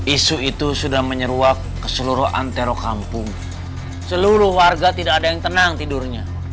isu itu sudah menyeruak keseluruhantero kampung seluruh warga tidak ada yang tenang tidurnya